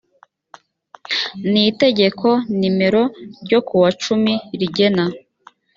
n itegeko nimero ryo kuwa cumi rigena